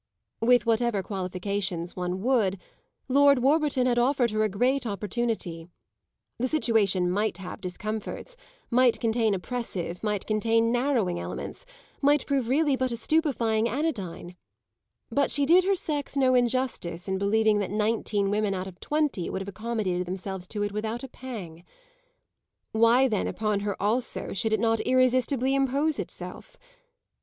With whatever qualifications one would, Lord Warburton had offered her a great opportunity; the situation might have discomforts, might contain oppressive, might contain narrowing elements, might prove really but a stupefying anodyne; but she did her sex no injustice in believing that nineteen women out of twenty would have accommodated themselves to it without a pang. Why then upon her also should it not irresistibly impose itself?